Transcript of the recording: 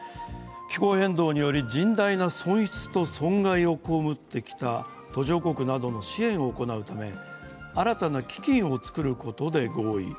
気候変動により甚大な損失と損害を被ってきた途上国などの支援を行うため新たな基金をつくることで合意。